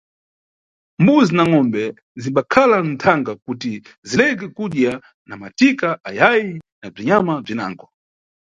Mbuzi na ngʼombe zimbakhala nʼthanga kuti zeleke kudya na matika ayayi na bzinyama bzinango.